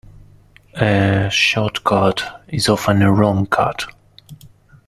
A short cut is often a wrong cut.